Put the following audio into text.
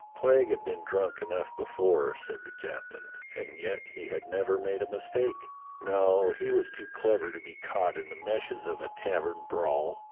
"Clegg had been drunk enough before," said the captain, "and yet he had never made a mistake. No, he was too clever to be caught in the meshes of a tavern brawl.